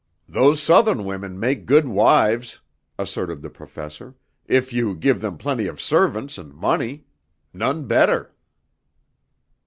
"Those Southern women make good wives," asserted the Professor, "if you give them plenty of servants and money. None better."